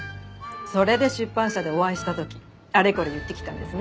それで出版社でお会いした時あれこれ言ってきたんですね。